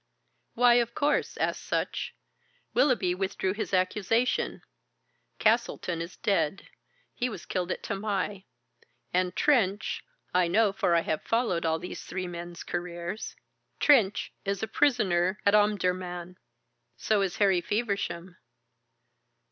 "Why of course?" asked Sutch. "Willoughby withdrew his accusation; Castleton is dead he was killed at Tamai; and Trench I know, for I have followed all these three men's careers Trench is a prisoner in Omdurman." "So is Harry Feversham."